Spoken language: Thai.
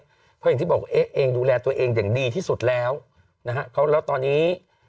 เพราะอย่างที่บอกเอ๊ะเองดูแลตัวเองอย่างดีที่สุดแล้วนะฮะเขาแล้วตอนนี้